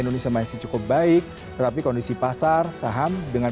indonesia masih cukup baik tetapi kondisi pasar saham dengan